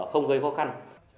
không gây khó khăn